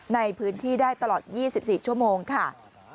ในพื้นที่ได้ตลอด๒๔ชั่วโมงค่ะ